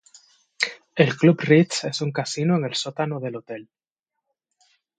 El Club Ritz es un casino en el sótano del hotel.